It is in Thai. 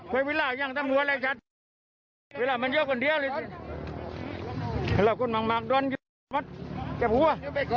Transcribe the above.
ไฟไวร่มันเยอะกว่าดีกว่า